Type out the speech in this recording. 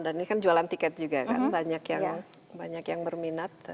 dan ini kan jualan tiket juga kan banyak yang berminat